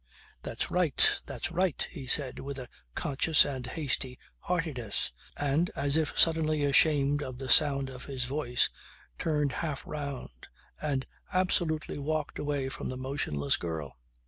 "That's right. That's right," he said with a conscious and hasty heartiness and, as if suddenly ashamed of the sound of his voice, turned half round and absolutely walked away from the motionless girl.